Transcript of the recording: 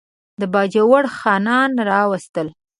د باجوړ خانان راوستل.